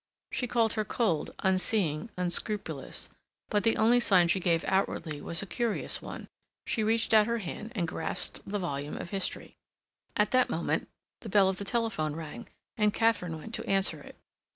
She called her cold, unseeing, unscrupulous, but the only sign she gave outwardly was a curious one—she reached out her hand and grasped the volume of history. At that moment the bell of the telephone rang and Katharine went to answer it.